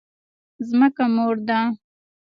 ځمکه مور ده؟